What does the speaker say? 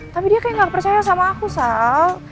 tapi dia kayak gak percaya sama aku soal